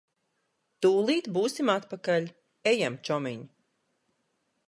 Tūlīt būsim atpakaļ. Ejam, čomiņ.